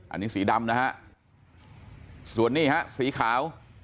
อันนี้สีดำนะฮะส่วนนี้ฮะสีขาว